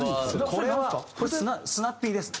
これはスナッピーですね。